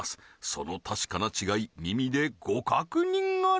その確かな違い耳でご確認あれ！